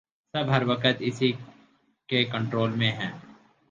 سب ہر وقت اسی کے کنٹرول میں ہیں